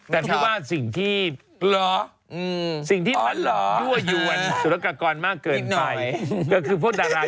แล้วตอนนี้พี่มาไปเมืองนอกพี่มาซื้ออะไร